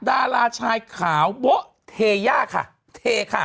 ดาราชายขาวโบ๊ะเทย่าค่ะเทค่ะ